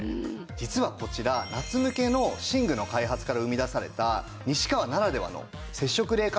実はこちら夏向けの寝具の開発から生み出された西川ならではの接触冷感